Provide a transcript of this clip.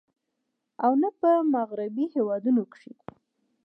او نۀ په مغربي هېوادونو کښې